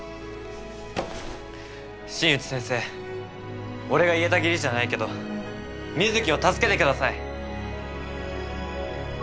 新内先生俺が言えた義理じゃないけど水城を助けてください。